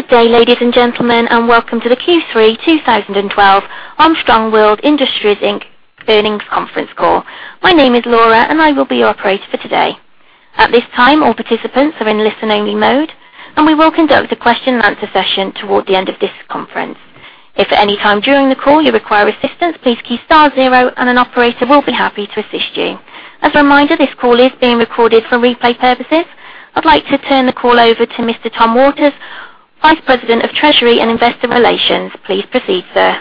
Good day, ladies and gentlemen, welcome to the Q3 2012 Armstrong World Industries Inc. earnings conference call. My name is Laura, I will be your operator for today. At this time, all participants are in listen-only mode, we will conduct a question-and-answer session toward the end of this conference. If at any time during the call you require assistance, please key star zero, an operator will be happy to assist you. As a reminder, this call is being recorded for replay purposes. I'd like to turn the call over to Mr. Tom Waters, Vice President of Treasury and Investor Relations. Please proceed, sir.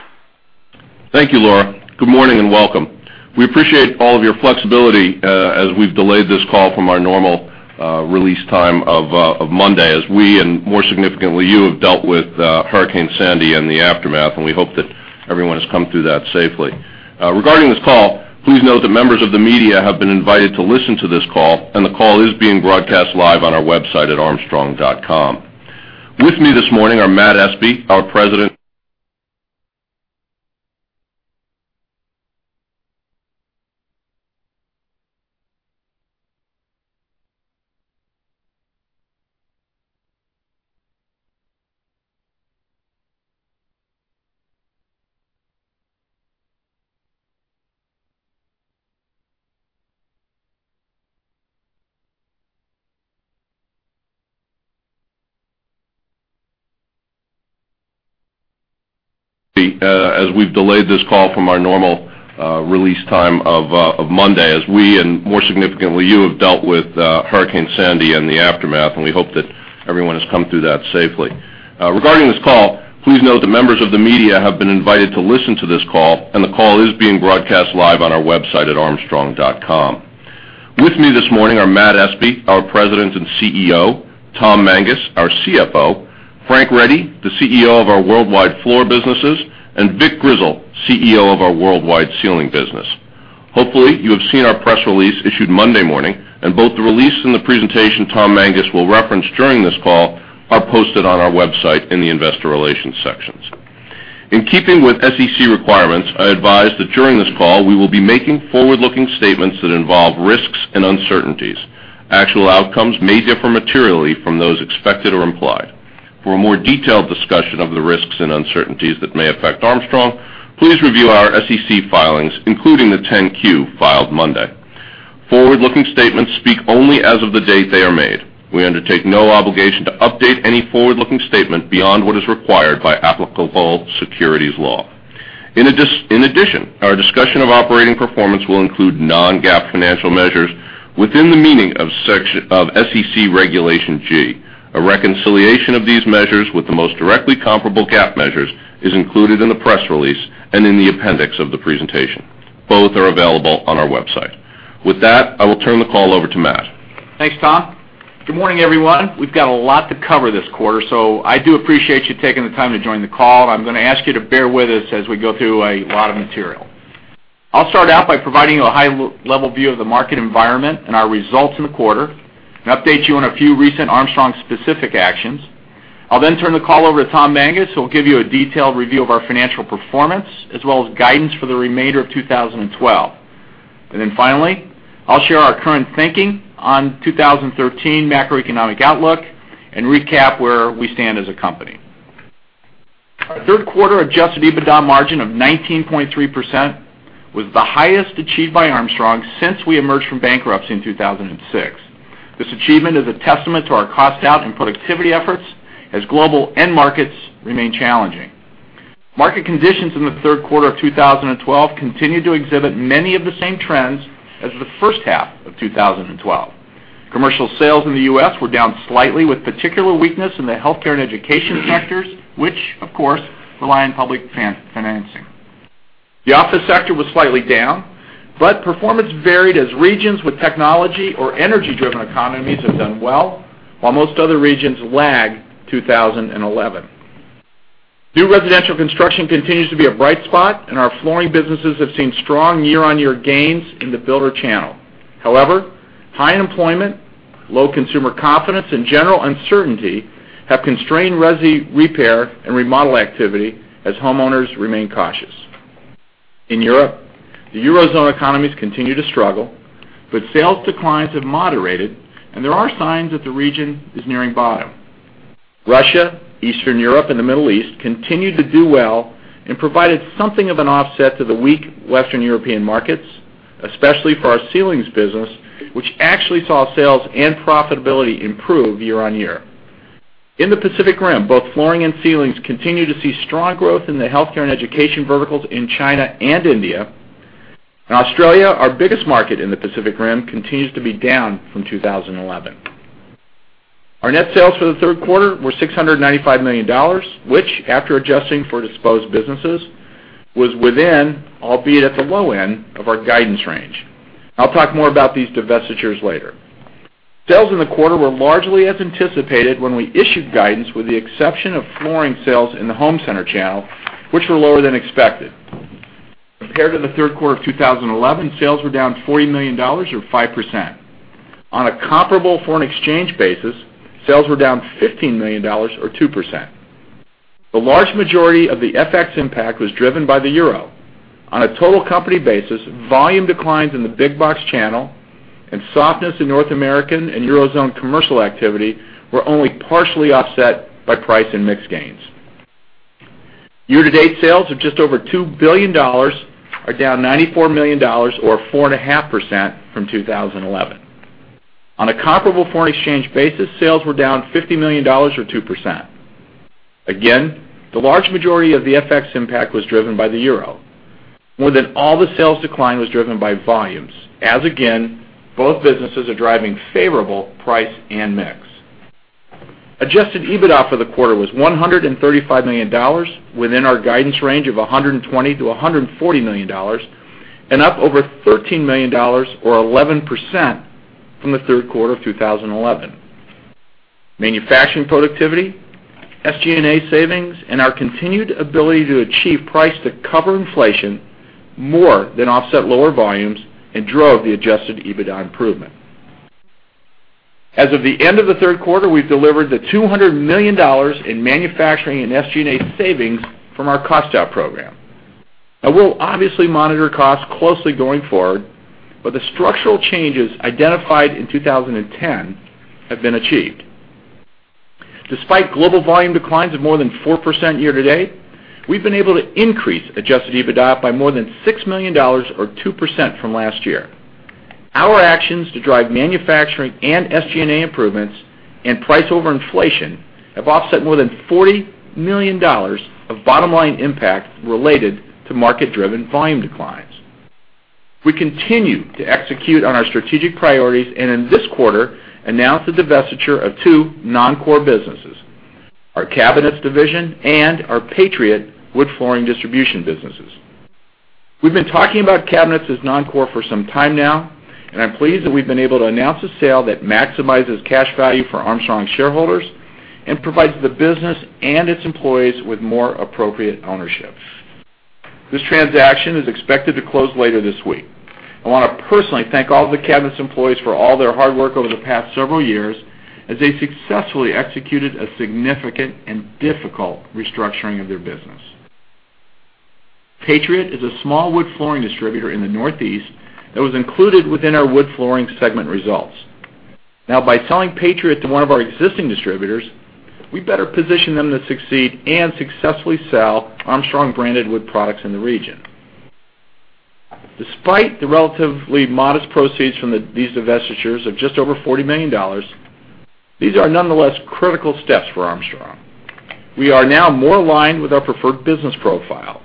Thank you, Laura. Good morning and welcome. We appreciate all of your flexibility as we've delayed this call from our normal release time of Monday, as we, and more significantly you, have dealt with Hurricane Sandy and the aftermath, and we hope that everyone has come through that safely. Regarding this call, please note that members of the media have been invited to listen to this call, and the call is being broadcast live on our website at armstrong.com. With me this morning are Matt Espe, our President- Regarding this call, please note that members of the media have been invited to listen to this call, and the call is being broadcast live on our website at armstrong.com. With me this morning are Matt Espe, our President and CEO, Tom Mangas, our CFO, Frank Ready, the CEO of our Worldwide Floor Businesses, and Vic Grizzle, CEO of our Worldwide Ceiling Business. Hopefully, you have seen our press release issued Monday morning, and both the release and the presentation Tom Mangas will reference during this call are posted on our website in the investor relations sections. In keeping with SEC requirements, I advise that during this call, we will be making forward-looking statements that involve risks and uncertainties. Actual outcomes may differ materially from those expected or implied. For a more detailed discussion of the risks and uncertainties that may affect Armstrong, please review our SEC filings, including the 10-Q filed Monday. Forward-looking statements speak only as of the date they are made. We undertake no obligation to update any forward-looking statement beyond what is required by applicable securities law. In addition, our discussion of operating performance will include non-GAAP financial measures within the meaning of SEC Regulation G. A reconciliation of these measures with the most directly comparable GAAP measures is included in the press release and in the appendix of the presentation. Both are available on our website. With that, I will turn the call over to Matt. Thanks, Tom. Good morning, everyone. We've got a lot to cover this quarter. I do appreciate you taking the time to join the call. I'm going to ask you to bear with us as we go through a lot of material. I'll start out by providing you a high-level view of the market environment and our results in the quarter and update you on a few recent Armstrong-specific actions. I'll then turn the call over to Tom Mangas, who will give you a detailed review of our financial performance, as well as guidance for the remainder of 2012. Finally, I'll share our current thinking on 2013 macroeconomic outlook and recap where we stand as a company. Our third quarter adjusted EBITDA margin of 19.3% was the highest achieved by Armstrong since we emerged from bankruptcy in 2006. This achievement is a testament to our cost out and productivity efforts as global end markets remain challenging. Market conditions in the third quarter of 2012 continued to exhibit many of the same trends as the first half of 2012. Commercial sales in the U.S. were down slightly, with particular weakness in the healthcare and education sectors, which of course rely on public financing. The office sector was slightly down, performance varied as regions with technology or energy-driven economies have done well, while most other regions lagged 2011. New residential construction continues to be a bright spot. Our flooring businesses have seen strong year-on-year gains in the builder channel. However, high unemployment, low consumer confidence, and general uncertainty have constrained resi repair and remodel activity as homeowners remain cautious. In Europe, the Eurozone economies continue to struggle, sales declines have moderated. There are signs that the region is nearing bottom. Russia, Eastern Europe, and the Middle East continued to do well and provided something of an offset to the weak Western European markets, especially for our ceilings business, which actually saw sales and profitability improve year-on-year. In the Pacific Rim, both flooring and ceilings continue to see strong growth in the healthcare and education verticals in China and India. In Australia, our biggest market in the Pacific Rim continues to be down from 2011. Our net sales for the third quarter were $695 million, which, after adjusting for disposed businesses, was within, albeit at the low end, of our guidance range. I'll talk more about these divestitures later. Sales in the quarter were largely as anticipated when we issued guidance with the exception of flooring sales in the home center channel, which were lower than expected. Compared to the third quarter of 2011, sales were down $40 million or 5%. On a comparable foreign exchange basis, sales were down $15 million or 2%. The large majority of the FX impact was driven by the Euro. On a total company basis, volume declines in the big box channel and softness in North American and Eurozone commercial activity were only partially offset by price and mix gains. Year-to-date sales of just over $2 billion are down $94 million or 4.5% from 2011. On a comparable foreign exchange basis, sales were down $50 million or 2%. Again, the large majority of the FX impact was driven by the Euro. More than all the sales decline was driven by volumes. Again, both businesses are driving favorable price and mix. Adjusted EBITDA for the quarter was $135 million within our guidance range of $120 million-$140 million, and up over $13 million or 11% from the third quarter of 2011. Manufacturing productivity, SG&A savings, and our continued ability to achieve price to cover inflation more than offset lower volumes and drove the adjusted EBITDA improvement. As of the end of the third quarter, we've delivered the $200 million in manufacturing and SG&A savings from our cost-out program. We'll obviously monitor costs closely going forward, but the structural changes identified in 2010 have been achieved. Despite global volume declines of more than 4% year-to-date, we've been able to increase adjusted EBITDA by more than $6 million or 2% from last year. Our actions to drive manufacturing and SG&A improvements and price over inflation have offset more than $40 million of bottom-line impact related to market-driven volume declines. We continue to execute on our strategic priorities, and in this quarter, announced the divestiture of two non-core businesses, our Cabinets division and our Patriot Flooring Supply distribution businesses. We've been talking about Cabinets as non-core for some time now, and I'm pleased that we've been able to announce a sale that maximizes cash value for Armstrong shareholders and provides the business and its employees with more appropriate ownership. This transaction is expected to close later this week. I want to personally thank all of the Cabinets employees for all their hard work over the past several years as they successfully executed a significant and difficult restructuring of their business. Patriot is a small wood flooring distributor in the Northeast that was included within our wood flooring segment results. By selling Patriot to one of our existing distributors, we better position them to succeed and successfully sell Armstrong-branded wood products in the region. Despite the relatively modest proceeds from these divestitures of just over $40 million, these are nonetheless critical steps for Armstrong. We are now more aligned with our preferred business profile.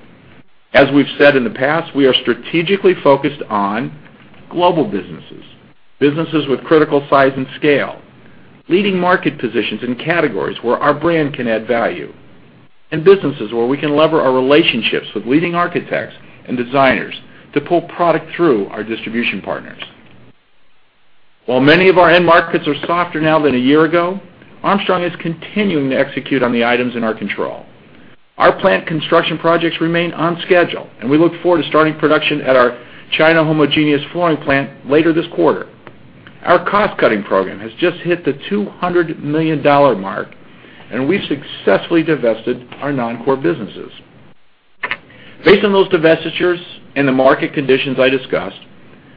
As we've said in the past, we are strategically focused on global businesses with critical size and scale, leading market positions in categories where our brand can add value, and businesses where we can lever our relationships with leading architects and designers to pull product through our distribution partners. While many of our end markets are softer now than a year ago, Armstrong is continuing to execute on the items in our control. Our plant construction projects remain on schedule. We look forward to starting production at our China homogeneous flooring plant later this quarter. Our cost-cutting program has just hit the $200 million mark. We've successfully divested our non-core businesses. Based on those divestitures and the market conditions I discussed,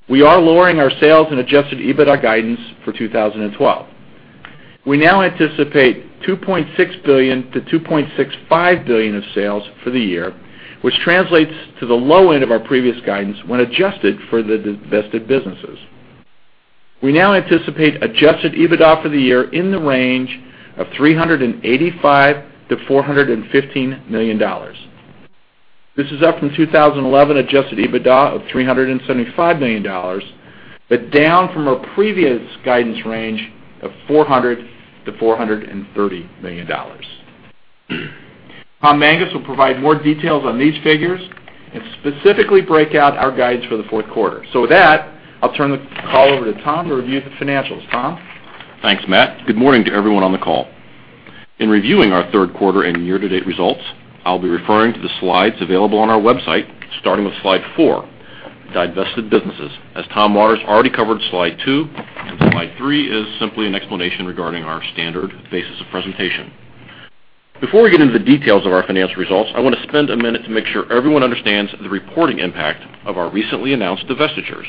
we are lowering our sales and adjusted EBITDA guidance for 2012. We now anticipate $2.6 billion-$2.65 billion of sales for the year, which translates to the low end of our previous guidance when adjusted for the divested businesses. We now anticipate adjusted EBITDA for the year in the range of $385 million-$415 million. This is up from 2011 adjusted EBITDA of $375 million, down from our previous guidance range of $400 million-$430 million. Thomas Mangas will provide more details on these figures and specifically break out our guidance for the fourth quarter. With that, I'll turn the call over to Tom to review the financials. Tom? Thanks, Matt. Good morning to everyone on the call. In reviewing our third quarter and year-to-date results, I'll be referring to the slides available on our website, starting with slide four, Divested Businesses, as Tom Waters already covered slide two, and slide three is simply an explanation regarding our standard basis of presentation. Before we get into the details of our financial results, I want to spend a minute to make sure everyone understands the reporting impact of our recently announced divestitures.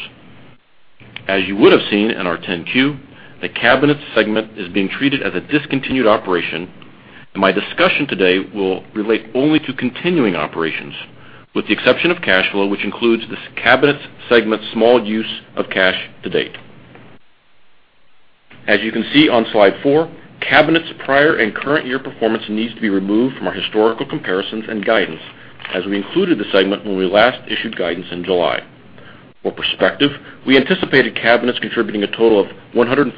As you would have seen in our 10-Q, the Cabinets segment is being treated as a discontinued operation, and my discussion today will relate only to continuing operations, with the exception of cash flow, which includes the Cabinets segment's small use of cash to date. As you can see on slide four, Cabinets' prior and current year performance needs to be removed from our historical comparisons and guidance as we included the segment when we last issued guidance in July. For perspective, we anticipated Cabinets contributing a total of $135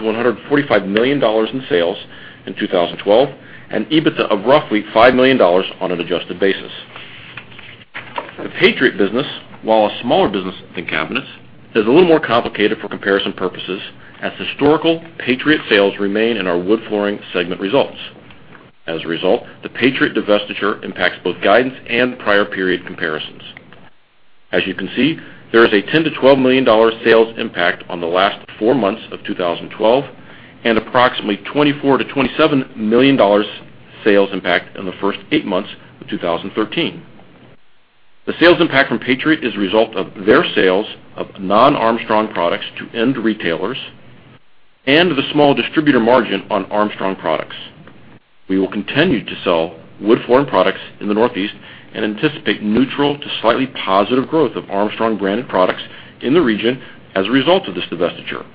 million-$145 million in sales in 2012 and EBITDA of roughly $5 million on an adjusted basis. The Patriot business, while a smaller business than Cabinets, is a little more complicated for comparison purposes as historical Patriot sales remain in our wood flooring segment results. As a result, the Patriot divestiture impacts both guidance and prior period comparisons. As you can see, there is a $10 million-$12 million sales impact on the last four months of 2012 and approximately $24 million-$27 million sales impact in the first eight months of 2013. The sales impact from Patriot is a result of their sales of non-Armstrong products to end retailers and the small distributor margin on Armstrong products. We will continue to sell wood flooring products in the Northeast and anticipate neutral to slightly positive growth of Armstrong branded products in the region as a result of this divestiture.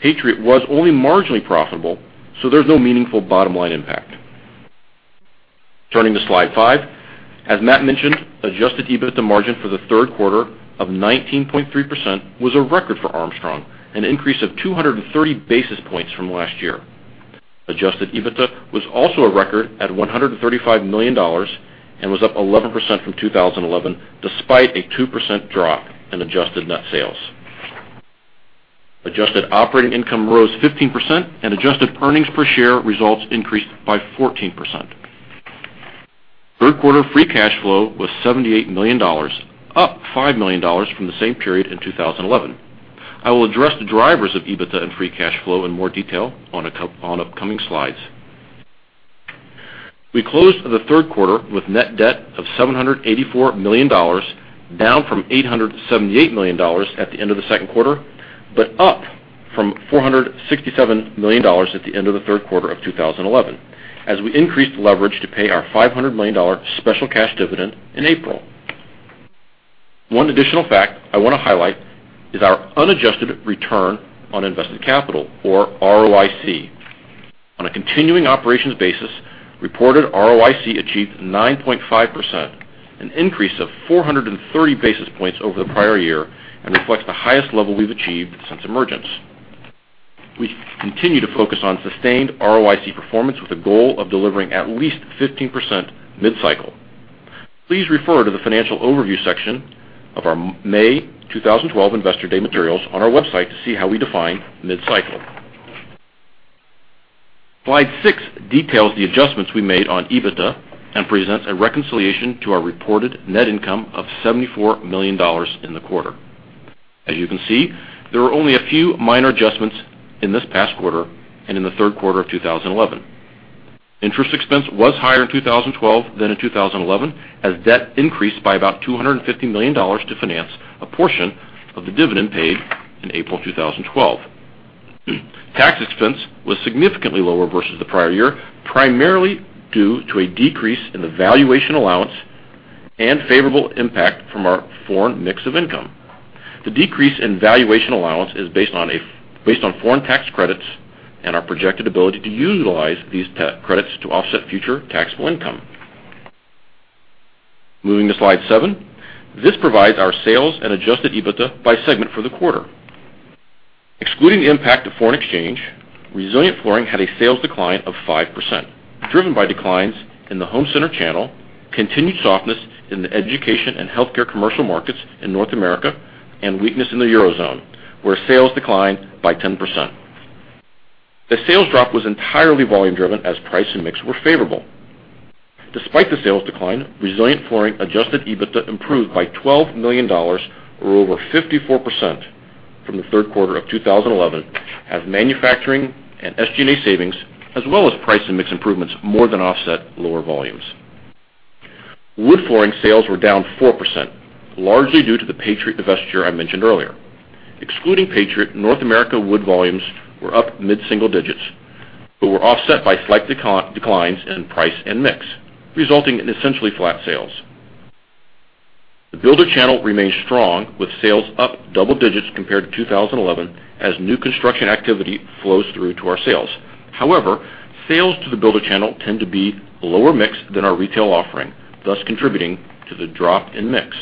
Patriot was only marginally profitable, so there's no meaningful bottom-line impact. Turning to slide five. As Matt mentioned, adjusted EBITDA margin for the third quarter of 19.3% was a record for Armstrong, an increase of 230 basis points from last year. Adjusted EBITDA was also a record at $135 million and was up 11% from 2011, despite a 2% drop in adjusted net sales. Adjusted operating income rose 15%, and adjusted earnings per share results increased by 14%. Third quarter free cash flow was $78 million, up $5 million from the same period in 2011. I will address the drivers of EBITDA and free cash flow in more detail on upcoming slides. We closed the third quarter with net debt of $784 million, down from $878 million at the end of the second quarter, but up from $467 million at the end of the third quarter of 2011, as we increased leverage to pay our $500 million special cash dividend in April. One additional fact I want to highlight is our unadjusted return on invested capital or ROIC. On a continuing operations basis, reported ROIC achieved 9.5%, an increase of 430 basis points over the prior year and reflects the highest level we've achieved since emergence. We continue to focus on sustained ROIC performance with a goal of delivering at least 15% mid-cycle. Please refer to the financial overview section of our May 2012 Investor Day materials on our website to see how we define mid-cycle. Slide seven details the adjustments we made on EBITDA and presents a reconciliation to our reported net income of $74 million in the quarter. As you can see, there were only a few minor adjustments in this past quarter and in the third quarter of 2011. Interest expense was higher in 2012 than in 2011, as debt increased by about $250 million to finance a portion of the dividend paid in April 2012. Tax expense was significantly lower versus the prior year, primarily due to a decrease in the valuation allowance and favorable impact from our foreign mix of income. The decrease in valuation allowance is based on foreign tax credits and our projected ability to utilize these credits to offset future taxable income. Moving to slide seven. This provides our sales and adjusted EBITDA by segment for the quarter. Excluding the impact of foreign exchange, Resilient Flooring had a sales decline of 5%, driven by declines in the home center channel, continued softness in the education and healthcare commercial markets in North America, and weakness in the Eurozone, where sales declined by 10%. The sales drop was entirely volume driven as price and mix were favorable. Despite the sales decline, Resilient Flooring adjusted EBITDA improved by $12 million or over 54% from the third quarter of 2011 as manufacturing and SG&A savings as well as price and mix improvements more than offset lower volumes. Wood flooring sales were down 4%, largely due to the Patriot divestiture I mentioned earlier. Excluding Patriot, North America wood volumes were up mid-single digits, but were offset by slight declines in price and mix, resulting in essentially flat sales. The builder channel remains strong with sales up double digits compared to 2011 as new construction activity flows through to our sales. However, sales to the builder channel tend to be lower mix than our retail offering, thus contributing to the drop in mix.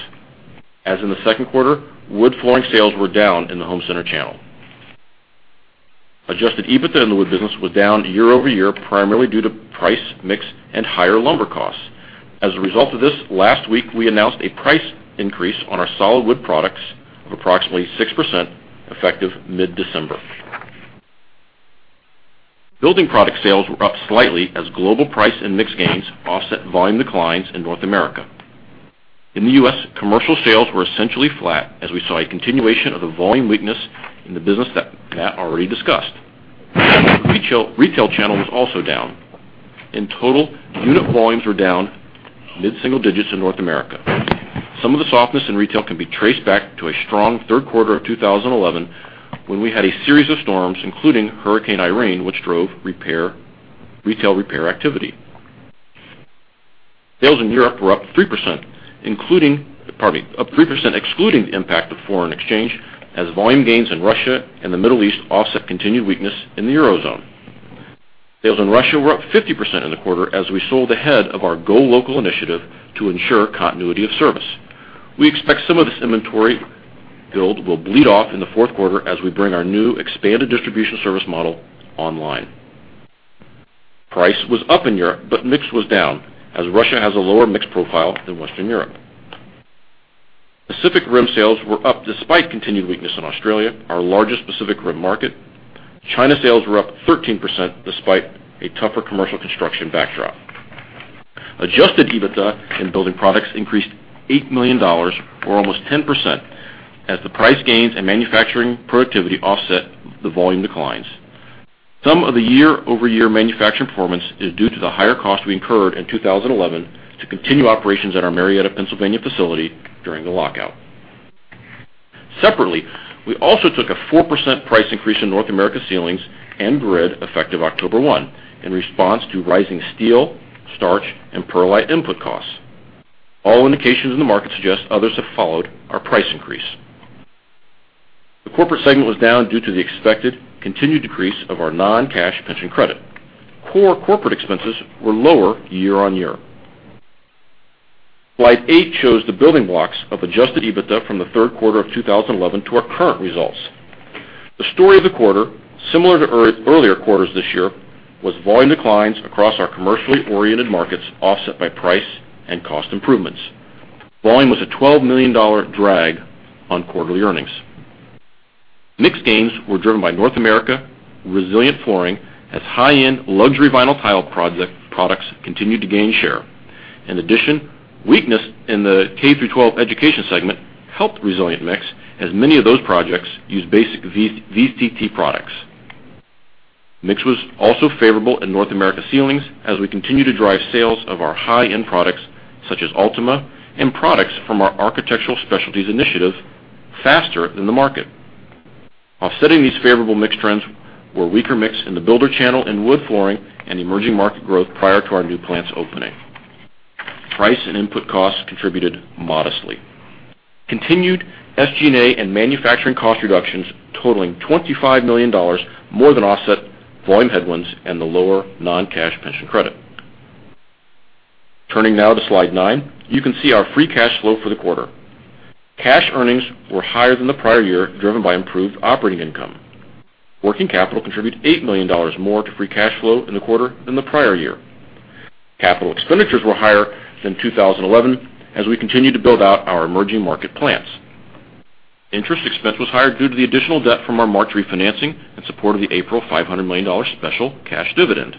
As in the second quarter, wood flooring sales were down in the home center channel. Adjusted EBITDA in the wood business was down year-over-year, primarily due to price, mix, and higher lumber costs. As a result of this, last week, we announced a price increase on our solid wood products of approximately 6%, effective mid-December. Building product sales were up slightly as global price and mix gains offset volume declines in North America. In the U.S., commercial sales were essentially flat as we saw a continuation of the volume weakness in the business that Matt already discussed. Retail channel was also down. In total, unit volumes were down mid-single digits in North America. Some of the softness in retail can be traced back to a strong third quarter of 2011, when we had a series of storms, including Hurricane Irene, which drove retail repair activity. Sales in Europe were up 3% excluding the impact of foreign exchange as volume gains in Russia and the Middle East offset continued weakness in the Eurozone. Sales in Russia were up 50% in the quarter as we sold ahead of our Go Local initiative to ensure continuity of service. We expect some of this inventory build will bleed off in the fourth quarter as we bring our new expanded distribution service model online. Price was up in Europe, but mix was down as Russia has a lower mix profile than Western Europe. Pacific Rim sales were up despite continued weakness in Australia, our largest Pacific Rim market. China sales were up 13% despite a tougher commercial construction backdrop. Adjusted EBITDA in building products increased $8 million, or almost 10%, as the price gains and manufacturing productivity offset the volume declines. Some of the year-over-year manufacturing performance is due to the higher cost we incurred in 2011 to continue operations at our Marietta, Pennsylvania facility during the lockout. Separately, we also took a 4% price increase in North America Ceilings and Grid, effective October 1, in response to rising steel, starch, and perlite input costs. All indications in the market suggest others have followed our price increase. The corporate segment was down due to the expected continued decrease of our non-cash pension credit. Core corporate expenses were lower year-on-year. Slide eight shows the building blocks of Adjusted EBITDA from the third quarter of 2011 to our current results. The story of the quarter, similar to earlier quarters this year, was volume declines across our commercially oriented markets, offset by price and cost improvements. Volume was a $12 million drag on quarterly earnings. Mix gains were driven by North America Resilient Flooring as high-end Luxury Vinyl Tile products continued to gain share. In addition, weakness in the K through 12 education segment helped resilient mix as many of those projects use basic VCT products. Mix was also favorable in North America Ceilings as we continue to drive sales of our high-end products, such as Ultima and products from our Architectural Specialties initiative, faster than the market. Offsetting these favorable mix trends were weaker mix in the builder channel and wood flooring and emerging market growth prior to our new plant's opening. Price and input costs contributed modestly. Continued SG&A and manufacturing cost reductions totaling $25 million more than offset volume headwinds and the lower non-cash pension credit. Turning now to slide nine. You can see our free cash flow for the quarter. Cash earnings were higher than the prior year, driven by improved operating income. Working capital contributed $8 million more to free cash flow in the quarter than the prior year. Capital expenditures were higher than 2011 as we continued to build out our emerging market plants. Interest expense was higher due to the additional debt from our March refinancing in support of the April $500 million special cash dividend.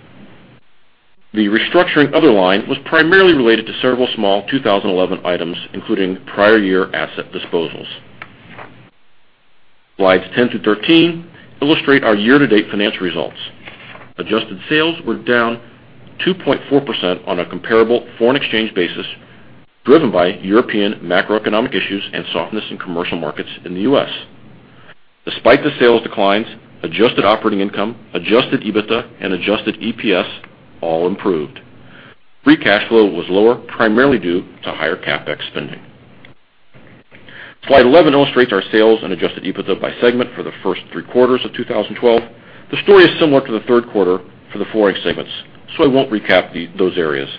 The restructuring other line was primarily related to several small 2011 items, including prior year asset disposals. Slides 10 through 13 illustrate our year-to-date financial results. Adjusted sales were down 2.4% on a comparable foreign exchange basis, driven by European macroeconomic issues and softness in commercial markets in the U.S. Despite the sales declines, adjusted operating income, adjusted EBITDA, and adjusted EPS all improved. Free cash flow was lower, primarily due to higher CapEx spending. Slide 11 illustrates our sales and adjusted EBITDA by segment for the first three quarters of 2012. The story is similar to the third quarter for the flooring segments. I won't recap those areas.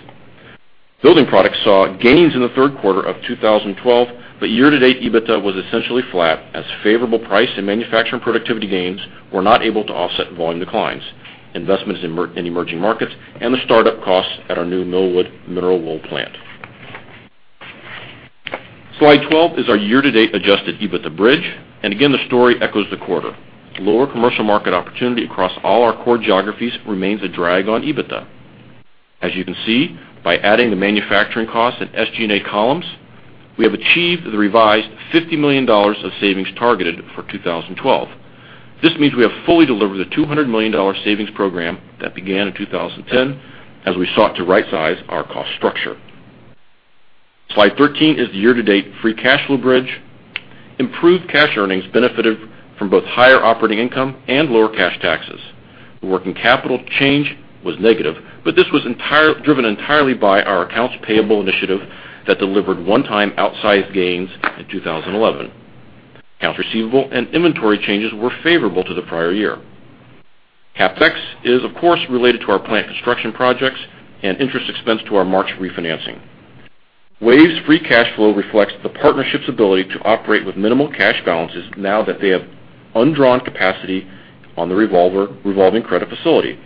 Building products saw gains in the third quarter of 2012, but year-to-date EBITDA was essentially flat, as favorable price and manufacturing productivity gains were not able to offset volume declines, investments in emerging markets, and the startup costs at our new Millwood mineral wool plant. Slide 12 is our year-to-date adjusted EBITDA bridge. Again, the story echoes the quarter. Lower commercial market opportunity across all our core geographies remains a drag on EBITDA. As you can see, by adding the manufacturing costs and SG&A columns, we have achieved the revised $50 million of savings targeted for 2012. This means we have fully delivered the $200 million savings program that began in 2010 as we sought to right size our cost structure. Slide 13 is the year-to-date free cash flow bridge. Improved cash earnings benefited from both higher operating income and lower cash taxes. The working capital change was negative. This was driven entirely by our accounts payable initiative that delivered one-time outsized gains in 2011. Accounts receivable and inventory changes were favorable to the prior year. CapEx is, of course, related to our plant construction projects and interest expense to our March refinancing. WAVE's free cash flow reflects the partnership's ability to operate with minimal cash balances now that they have undrawn capacity on the revolving credit facility.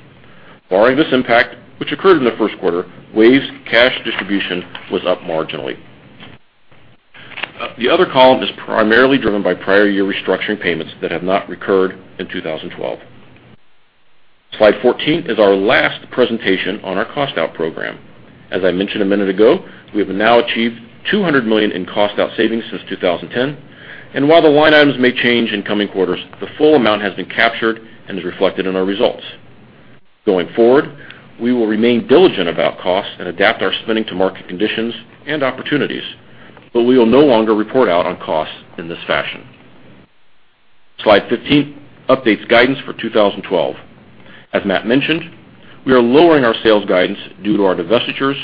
Barring this impact, which occurred in the first quarter, WAVE's cash distribution was up marginally. The other column is primarily driven by prior year restructuring payments that have not recurred in 2012. Slide 14 is our last presentation on our cost-out program. As I mentioned a minute ago, we have now achieved $200 million in cost-out savings since 2010. While the line items may change in coming quarters, the full amount has been captured and is reflected in our results. Going forward, we will remain diligent about costs and adapt our spending to market conditions and opportunities. We will no longer report out on costs in this fashion. Slide 15 updates guidance for 2012. As Matt mentioned, we are lowering our sales guidance due to our divestitures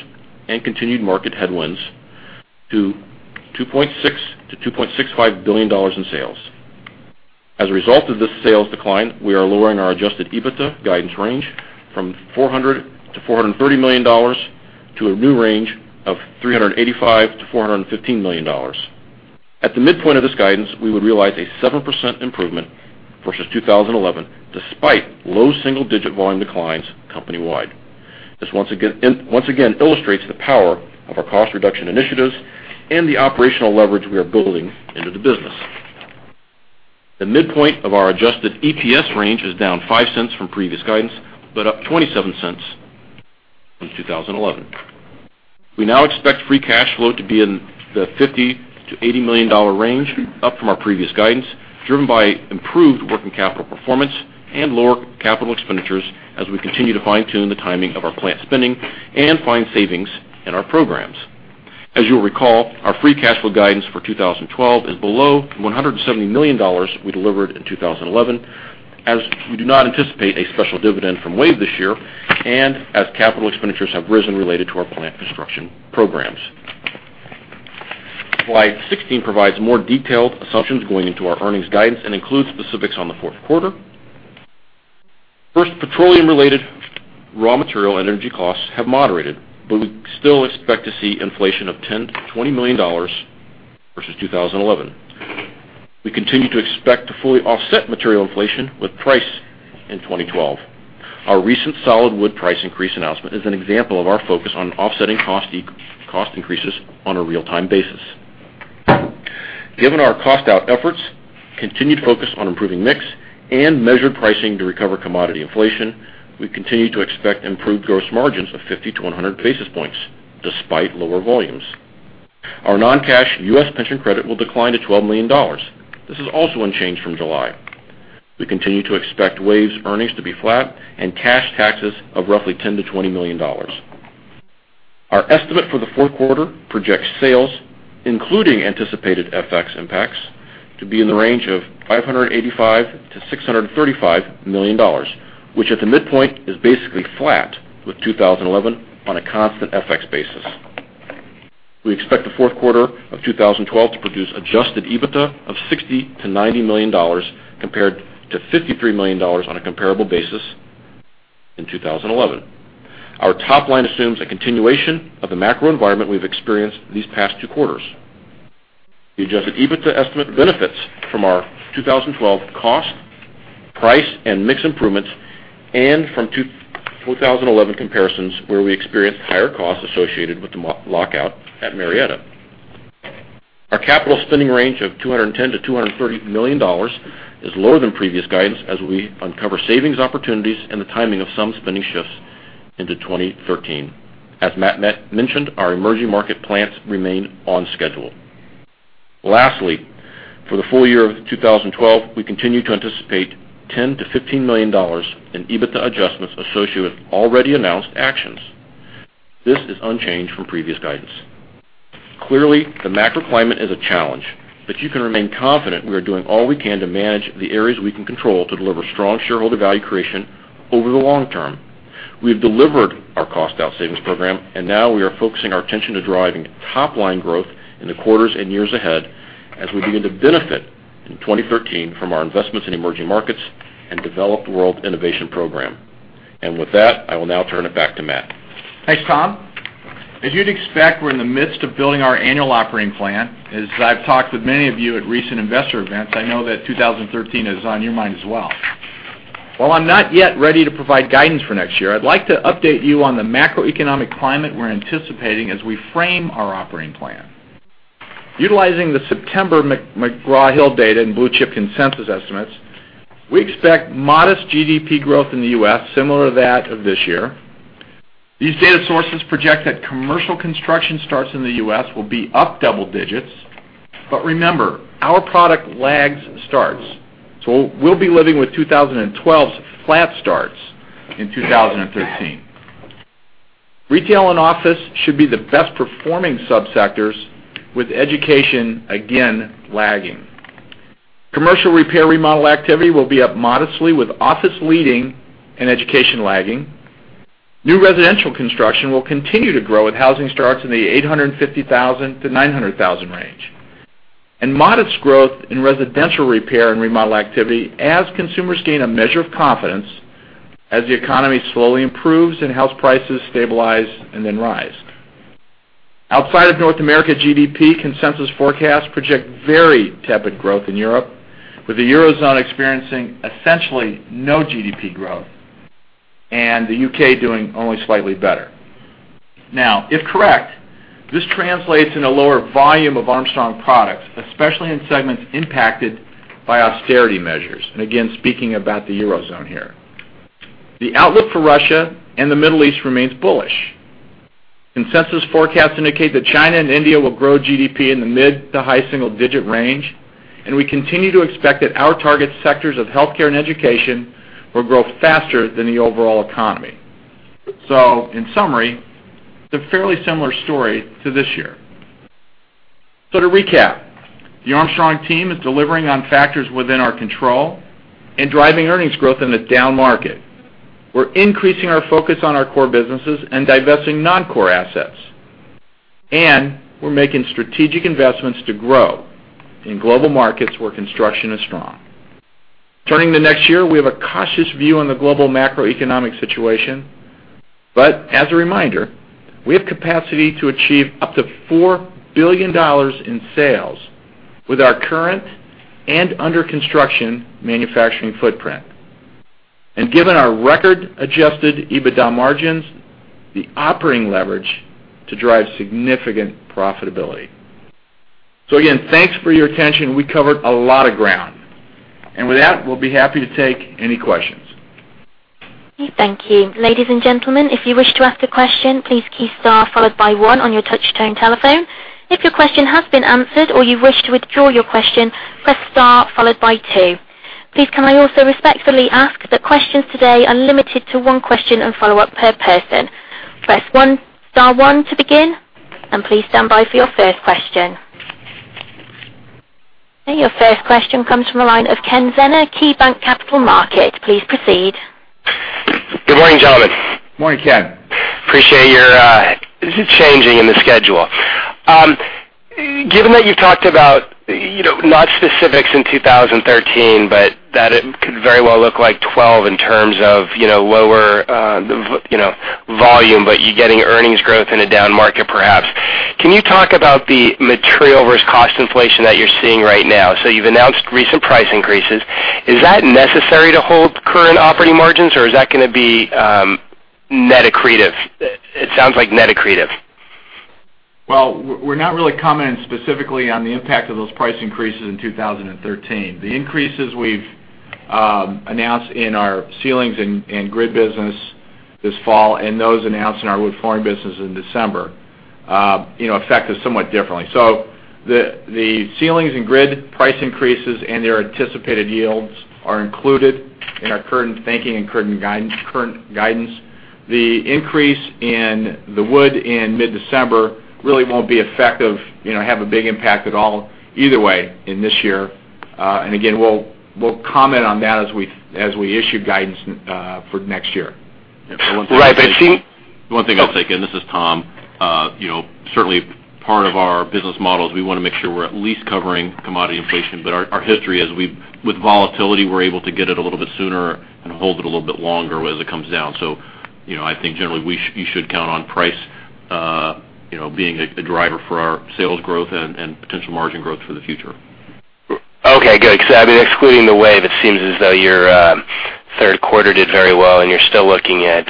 and continued market headwinds to $2.6 billion-$2.65 billion in sales. As a result of this sales decline, we are lowering our adjusted EBITDA guidance range from $400 million-$430 million to a new range of $385 million-$415 million. At the midpoint of this guidance, we would realize a 7% improvement versus 2011, despite low single-digit volume declines company-wide. This once again illustrates the power of our cost reduction initiatives and the operational leverage we are building into the business. The midpoint of our adjusted EPS range is down $0.05 from previous guidance, but up $0.27 from 2011. We now expect free cash flow to be in the $50 million-$80 million range, up from our previous guidance, driven by improved working capital performance and lower capital expenditures as we continue to fine-tune the timing of our plant spending and find savings in our programs. As you'll recall, our free cash flow guidance for 2012 is below $170 million we delivered in 2011, as we do not anticipate a special dividend from WAVE this year and as capital expenditures have risen related to our plant construction programs. Slide 16 provides more detailed assumptions going into our earnings guidance and includes specifics on the fourth quarter. Petroleum-related raw material and energy costs have moderated, but we still expect to see inflation of $10 million-$20 million versus 2011. We continue to expect to fully offset material inflation with price in 2012. Our recent solid wood price increase announcement is an example of our focus on offsetting cost increases on a real-time basis. Given our cost out efforts, continued focus on improving mix, and measured pricing to recover commodity inflation, we continue to expect improved gross margins of 50-100 basis points despite lower volumes. Our non-cash U.S. pension credit will decline to $12 million. This is also unchanged from July. We continue to expect WAVE's earnings to be flat and cash taxes of roughly $10 million-$20 million. Our estimate for the fourth quarter projects sales, including anticipated FX impacts, to be in the range of $585 million-$635 million, which at the midpoint is basically flat with 2011 on a constant FX basis. We expect the fourth quarter of 2012 to produce adjusted EBITDA of $60 million-$90 million compared to $53 million on a comparable basis in 2011. Our top line assumes a continuation of the macro environment we've experienced these past two quarters. The adjusted EBITDA estimate benefits from our 2012 cost, price, and mix improvements, and from 2011 comparisons where we experienced higher costs associated with the lockout at Marietta. Our capital spending range of $210 million-$230 million is lower than previous guidance as we uncover savings opportunities and the timing of some spending shifts into 2013. As Matt mentioned, our emerging market plants remain on schedule. For the full year of 2012, we continue to anticipate $10 million-$15 million in EBITDA adjustments associated with already announced actions. This is unchanged from previous guidance. The macro climate is a challenge, but you can remain confident we are doing all we can to manage the areas we can control to deliver strong shareholder value creation over the long term. We have delivered our cost out savings program, and now we are focusing our attention to driving top-line growth in the quarters and years ahead as we begin to benefit in 2013 from our investments in emerging markets and developed world innovation program. With that, I will now turn it back to Matt. Thanks, Tom. As you'd expect, we're in the midst of building our annual operating plan. As I've talked with many of you at recent investor events, I know that 2013 is on your mind as well. While I'm not yet ready to provide guidance for next year, I'd like to update you on the macroeconomic climate we're anticipating as we frame our operating plan. Utilizing the September McGraw Hill data and Blue Chip consensus estimates, we expect modest GDP growth in the U.S., similar to that of this year. These data sources project that commercial construction starts in the U.S. will be up double digits. Remember, our product lags starts, so we'll be living with 2012's flat starts in 2013. Retail and office should be the best performing subsectors, with education again lagging. Commercial repair remodel activity will be up modestly, with office leading and education lagging. New residential construction will continue to grow, with housing starts in the 850,000 to 900,000 range. Modest growth in residential repair and remodel activity as consumers gain a measure of confidence as the economy slowly improves and house prices stabilize and then rise. Outside of North America GDP, consensus forecasts project very tepid growth in Europe, with the Eurozone experiencing essentially no GDP growth, and the U.K. doing only slightly better. If correct, this translates in a lower volume of Armstrong products, especially in segments impacted by austerity measures. Again, speaking about the Eurozone here. The outlook for Russia and the Middle East remains bullish. Consensus forecasts indicate that China and India will grow GDP in the mid to high single digit range, and we continue to expect that our target sectors of healthcare and education will grow faster than the overall economy. In summary, it's a fairly similar story to this year. To recap, the Armstrong team is delivering on factors within our control and driving earnings growth in a down market. We're increasing our focus on our core businesses and divesting non-core assets. We're making strategic investments to grow in global markets where construction is strong. Turning to next year, we have a cautious view on the global macroeconomic situation. As a reminder, we have capacity to achieve up to $4 billion in sales with our current and under-construction manufacturing footprint. Given our record-adjusted EBITDA margins, the operating leverage to drive significant profitability. Again, thanks for your attention. We covered a lot of ground. With that, we'll be happy to take any questions. Okay, thank you. Ladies and gentlemen, if you wish to ask a question, please key star followed by one on your touch-tone telephone. If your question has been answered or you wish to withdraw your question, press star followed by two. Please, can I also respectfully ask that questions today are limited to one question and follow-up per person. Press star one to begin, and please stand by for your first question. Okay, your first question comes from the line of Kenneth Zener, KeyBanc Capital Markets. Please proceed. Good morning, gentlemen. Morning, Ken. Appreciate your changing in the schedule. Given that you talked about, not specifics in 2013, but that it could very well look like 2012 in terms of lower volume, but you're getting earnings growth in a down market, perhaps. Can you talk about the material versus cost inflation that you're seeing right now? You've announced recent price increases. Is that necessary to hold current operating margins, or is that going to be net accretive? It sounds like net accretive. Well, we're not really commenting specifically on the impact of those price increases in 2013. The increases we've announced in our ceilings and grid business this fall, and those announced in our wood flooring business in December affect us somewhat differently. The ceilings and grid price increases and their anticipated yields are included in our current thinking and current guidance. The increase in the wood in mid-December really won't be effective, have a big impact at all, either way, in this year. Again, we'll comment on that as we issue guidance for next year. Right. The one thing I'll take, and this is Tom. Certainly part of our business model is we want to make sure we're at least covering commodity inflation. Our history is, with volatility, we're able to get it a little bit sooner and hold it a little bit longer as it comes down. I think generally, you should count on price being a driver for our sales growth and potential margin growth for the future. Okay, good. Excluding the WAVE, it seems as though your third quarter did very well and you're still looking at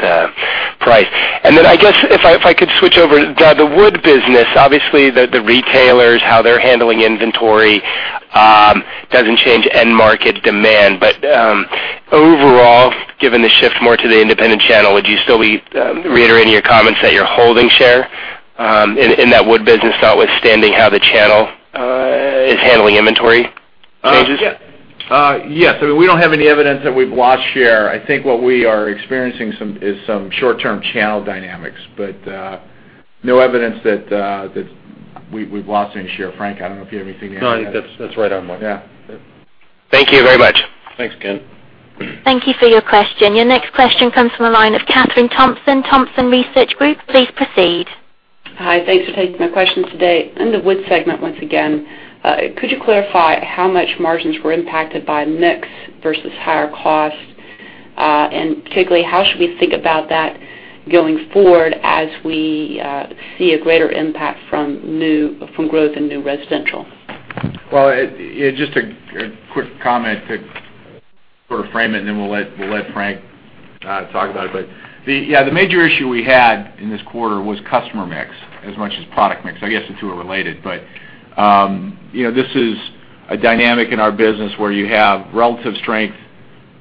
price. I guess, if I could switch over. The wood business, obviously the retailers, how they're handling inventory doesn't change end market demand. Overall, given the shift more to the independent channel, would you still be reiterating your comments that you're holding share in that wood business, notwithstanding how the channel is handling inventory changes? Yes. I mean, we don't have any evidence that we've lost share. I think what we are experiencing is some short-term channel dynamics, but no evidence that we've lost any share. Frank, I don't know if you have anything to add. No, I think that's right on mark. Yeah. Thank you very much. Thanks, Ken. Thank you for your question. Your next question comes from the line of Kathryn Thompson Research Group. Please proceed. Hi, thanks for taking my question today. In the wood segment, once again, could you clarify how much margins were impacted by mix versus higher cost? Particularly, how should we think about that going forward as we see a greater impact from growth in new residential? Well, just a quick comment to sort of frame it, and then we'll let Frank talk about it. The major issue we had in this quarter was customer mix as much as product mix. I guess the two are related, but this is a dynamic in our business where you have relative strength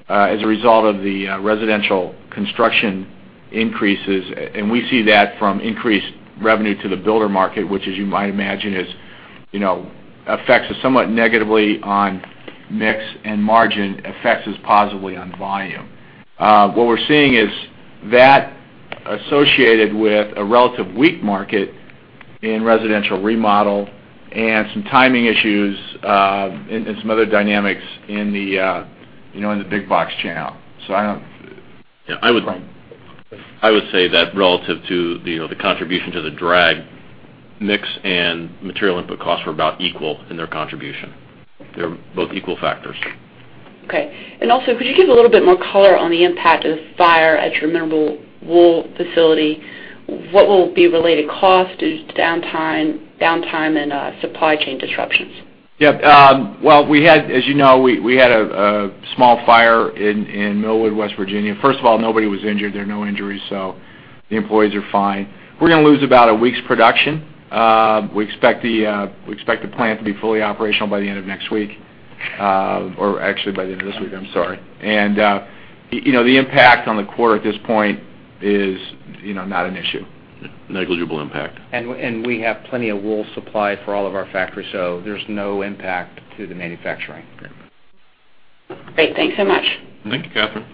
as a result of the residential construction increases, and we see that from increased revenue to the builder market, which as you might imagine, affects us somewhat negatively on mix and margin, affects us positively on volume. What we're seeing is that associated with a relative weak market in residential remodel and some timing issues and some other dynamics in the big box channel. Yeah, I would say that relative to the contribution to the drag mix and material input costs were about equal in their contribution. They're both equal factors. Okay. Also, could you give a little bit more color on the impact of the fire at your mineral wool facility? What will be related cost, downtime, and supply chain disruptions? Yeah. Well, as you know, we had a small fire in Millwood, West Virginia. First of all, nobody was injured. There were no injuries, so the employees are fine. We're going to lose about a week's production. We expect the plant to be fully operational by the end of next week, or actually by the end of this week. I'm sorry. The impact on the quarter at this point is not an issue. Negligible impact. We have plenty of wool supply for all of our factories, so there's no impact to the manufacturing. Great. Thanks so much. Thank you, Kathryn.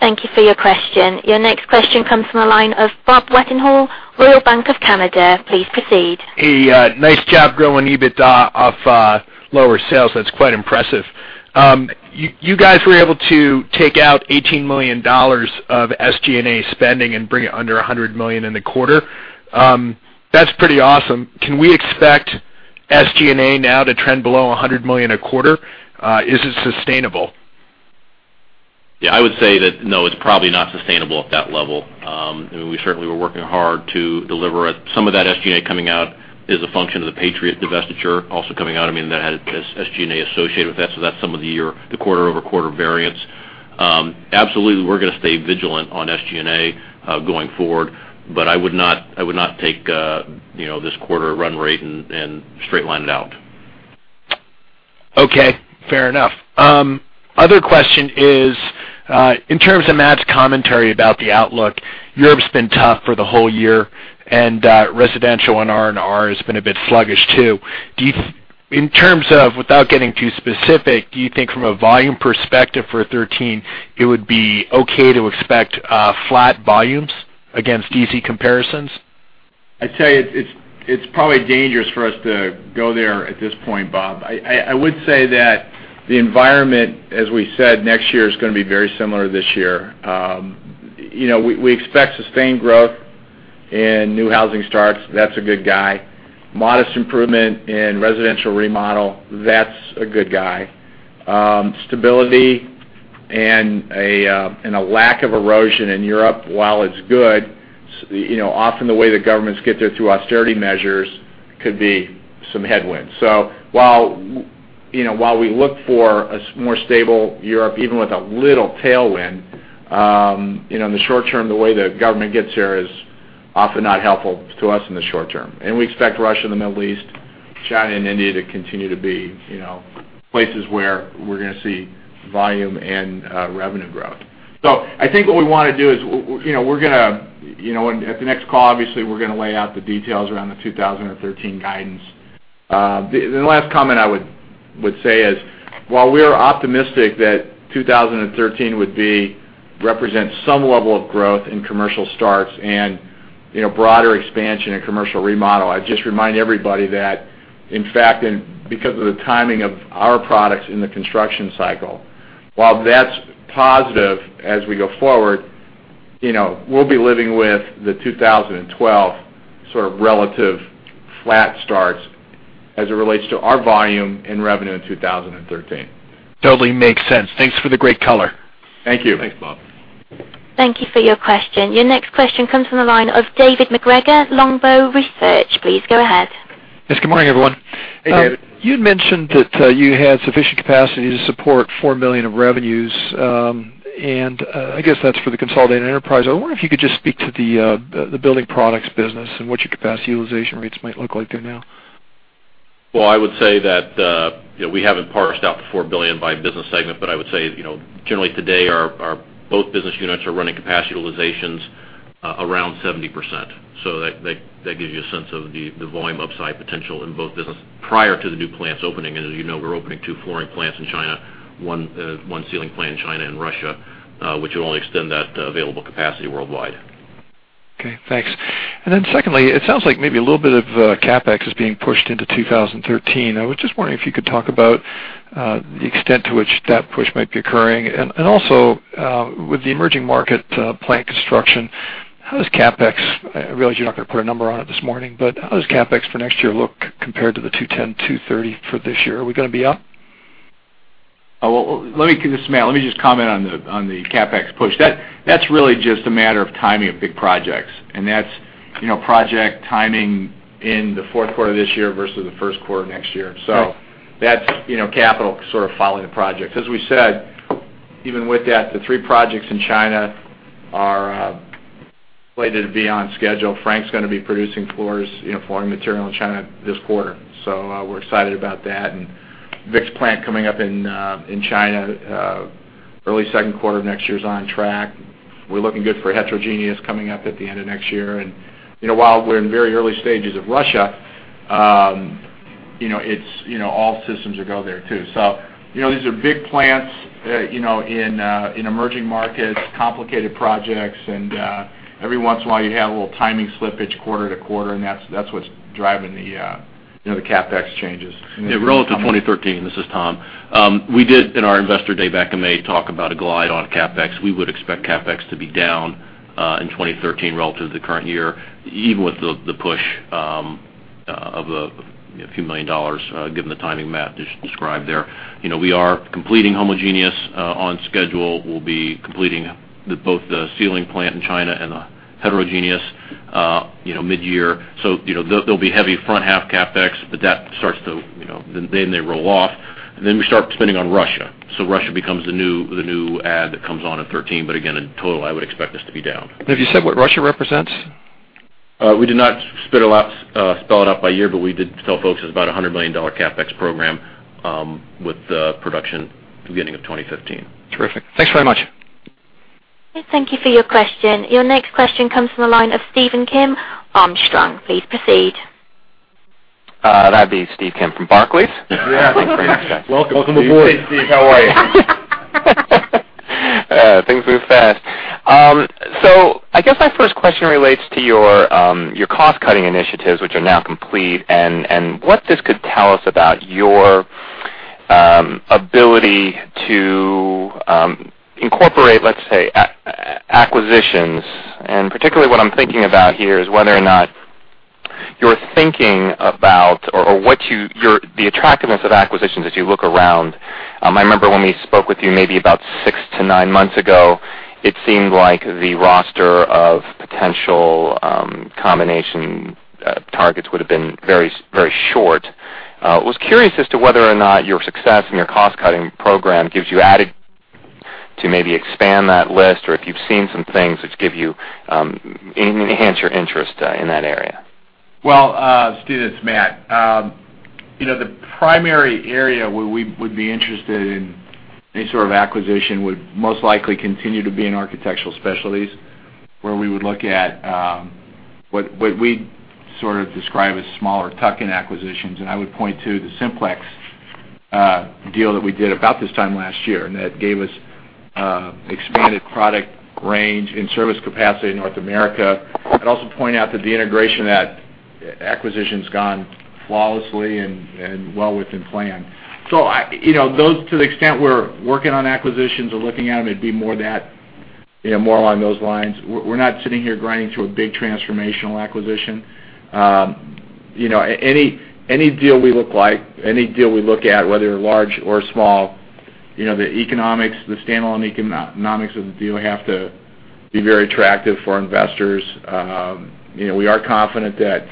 Thank you for your question. Your next question comes from the line of Robert Wetenhall, Royal Bank of Canada. Please proceed. Hey, nice job growing EBITDA off lower sales. That's quite impressive. You guys were able to take out $18 million of SG&A spending and bring it under $100 million in the quarter. That's pretty awesome. Can we expect SG&A now to trend below $100 million a quarter? Is it sustainable? Yeah, I would say that, no, it's probably not sustainable at that level. We certainly were working hard to deliver it. Some of that SG&A coming out is a function of the Patriot divestiture also coming out. That had SG&A associated with that, so that's some of the quarter-over-quarter variance. Absolutely, we're going to stay vigilant on SG&A going forward, but I would not take this quarter run rate and straight line it out. Okay, fair enough. Other question is, in terms of Matt's commentary about the outlook, Europe's been tough for the whole year and residential and R&R has been a bit sluggish, too. In terms of, without getting too specific, do you think from a volume perspective for 2013, it would be okay to expect flat volumes against easy comparisons? I'd say it's probably dangerous for us to go there at this point, Bob. I would say that the environment, as we said, next year is going to be very similar to this year. We expect sustained growth in new housing starts. That's a good guy. Modest improvement in residential remodel, that's a good guy. Stability and a lack of erosion in Europe, while it's good, often the way the governments get there through austerity measures could be some headwinds. While we look for a more stable Europe, even with a little tailwind, in the short term, the way the government gets here is often not helpful to us in the short term. We expect Russia, the Middle East, China, and India to continue to be places where we're going to see volume and revenue growth. I think what we want to do is, at the next call, obviously, we're going to lay out the details around the 2013 guidance. The last comment I would say is, while we are optimistic that 2013 would represent some level of growth in commercial starts and broader expansion in commercial remodel, I'd just remind everybody that, in fact, because of the timing of our products in the construction cycle, while that's positive as we go forward, we'll be living with the 2012 sort of relative flat starts as it relates to our volume and revenue in 2013. Totally makes sense. Thanks for the great color. Thank you. Thanks, Bob. Thank you for your question. Your next question comes from the line of David MacGregor, Longbow Research. Please go ahead. Yes. Good morning, everyone. Hey, David. You had mentioned that you had sufficient capacity to support $4 billion of revenues, and I guess that's for the consolidated enterprise. I wonder if you could just speak to the Building Products business and what your capacity utilization rates might look like there now. Well, I would say that we haven't parsed out the $4 billion by business segment, but I would say, generally today, both business units are running capacity utilizations around 70%. That gives you a sense of the volume upside potential in both businesses prior to the new plants opening. As you know, we're opening two flooring plants in China, one ceiling plant in China and Russia, which will only extend that available capacity worldwide. Okay, thanks. Secondly, it sounds like maybe a little bit of CapEx is being pushed into 2013. I was just wondering if you could talk about the extent to which that push might be occurring, and also, with the emerging market plant construction, how does CapEx, I realize you're not going to put a number on it this morning, but how does CapEx for next year look compared to the $210, $230 for this year? Are we going to be up? This is Matt. Let me just comment on the CapEx push. That's really just a matter of timing of big projects, and that's project timing in the fourth quarter of this year versus the first quarter of next year. That's capital sort of following the projects. As we said, even with that, the three projects in China are slated to be on schedule. Frank's going to be producing floors, flooring material in China this quarter. We're excited about that. Vic's plant coming up in China early second quarter of next year is on track. We're looking good for Heterogeneous Sheet coming up at the end of next year. While we're in very early stages of Russia, all systems are go there, too. These are big plants in emerging markets, complicated projects, and every once in a while, you have a little timing slippage quarter-to-quarter, and that's what's driving the CapEx changes. Relative to 2013, this is Tom. We did, in our investor day back in May, talk about a glide on CapEx. We would expect CapEx to be down in 2013 relative to the current year, even with the push of a few million dollars, given the timing Matt just described there. We are completing Homogeneous Sheet on schedule. We'll be completing both the ceiling plant in China and the Heterogeneous Sheet mid-year. There'll be heavy front-half CapEx, but then they roll off, and then we start spending on Russia. Russia becomes the new add that comes on in 2013. Again, in total, I would expect this to be down. Have you said what Russia represents? We did not spell it out by year, but we did tell folks it's about a $100 million CapEx program with production beginning of 2015. Terrific. Thanks very much. Thank you for your question. Your next question comes from the line of Stephen Kim, Armstrong. Please proceed. That'd be Steve Kim from Barclays. Thanks very much. Welcome aboard. Hey, Steve. How are you? Things move fast. I guess my first question relates to your cost-cutting initiatives, which are now complete, and what this could tell us about your ability to incorporate, let's say, acquisitions. Particularly what I'm thinking about here is whether or not you're thinking about, or the attractiveness of acquisitions as you look around. I remember when we spoke with you maybe about six to nine months ago, it seemed like the roster of potential combination targets would've been very short. Was curious as to whether or not your success and your cost-cutting program gives you added to maybe expand that list or if you've seen some things which enhance your interest in that area. Well, Steve, it's Matt. The primary area where we would be interested in any sort of acquisition would most likely continue to be in Architectural Specialties, where we would look at what we'd sort of describe as smaller tuck-in acquisitions. I would point to the Simplex deal that we did about this time last year, and that gave us expanded product range and service capacity in North America. I'd also point out that the integration of that acquisition's gone flawlessly and well within plan. To the extent we're working on acquisitions or looking at them, it'd be more along those lines. We're not sitting here grinding through a big transformational acquisition. Any deal we look at, whether large or small, the standalone economics of the deal have to be very attractive for investors. We are confident that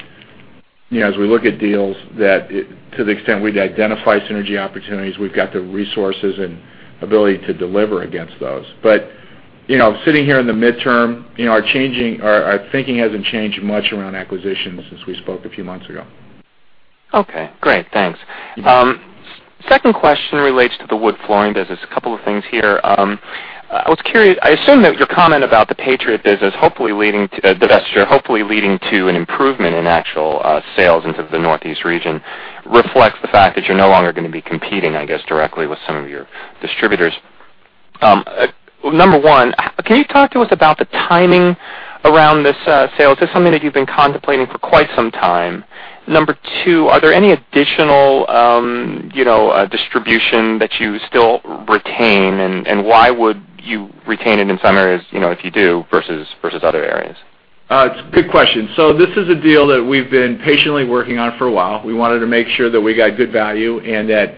as we look at deals, that to the extent we'd identify synergy opportunities, we've got the resources and ability to deliver against those. Sitting here in the midterm, our thinking hasn't changed much around acquisitions since we spoke a few months ago. Okay, great. Thanks. Second question relates to the wood flooring business. A couple of things here. I assume that your comment about the Patriot business divesture hopefully leading to an improvement in actual sales into the Northeast region reflects the fact that you're no longer going to be competing, I guess, directly with some of your distributors. Number one, can you talk to us about the timing around this sale? Is this something that you've been contemplating for quite some time? Number two, are there any additional distribution that you still retain, and why would you retain it in some areas, if you do, versus other areas? It's a good question. This is a deal that we've been patiently working on for a while. We wanted to make sure that we got good value and that